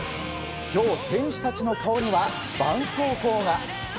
今日、選手たちの顔にはばんそうこうが。